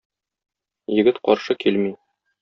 Егет каршы килми.